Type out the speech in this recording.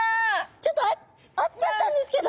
ちょっと会っちゃったんですけど！